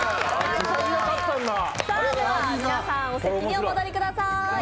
皆さんお席にお戻りください。